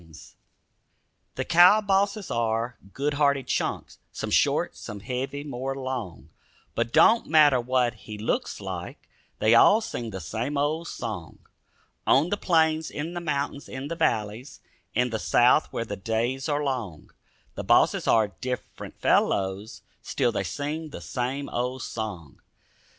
DOGIE SONG The cow bosses are good hearted chunks, Some short, some heavy, more long; But don't matter what he looks like, They all sing the same old song. On the plains, in the mountains, in the valleys, In the south where the days are long, The bosses are different fellows; Still they sing the same old song.